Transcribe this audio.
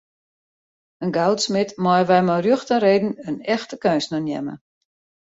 In goudsmid meie wy mei rjocht en reden in echte keunstner neame.